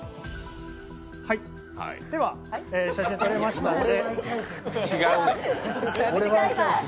では、写真撮れましたので。